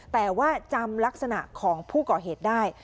แต่ว่าจำลักษณะของผู้ก่อเหตุได้